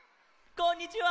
こんにちは！